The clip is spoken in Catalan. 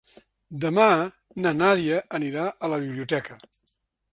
Demà na Nàdia anirà a la biblioteca.